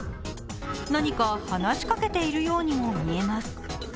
何か話しかけているようにも見えます。